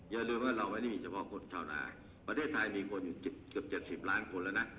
อย่าลืมว่าเราไม่ได้มีเฉพาะคนชาวนาประเทศไทยมีคนอยู่เกือบ๗๐ล้านคนแล้วนะ